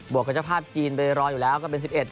วกกับเจ้าภาพจีนไปรออยู่แล้วก็เป็น๑๑